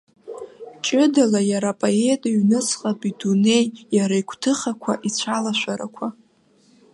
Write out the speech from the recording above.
Ҷыдала иара апоет иҩнуҵҟатә дунеи, иара игәҭыхақәа, ицәалашәарақәа.